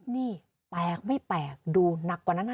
นี่แปลกไม่แปลกดูหนักกว่านั้นนะ